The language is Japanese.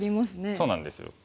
そうなんですよ。